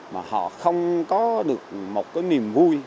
mà họ không có được một cái niềm vui